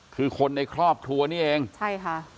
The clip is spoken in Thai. คือคนในครอบครัวนี่เองใช่ค่ะ